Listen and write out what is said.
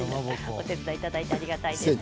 お手伝いいただいてありがたいです。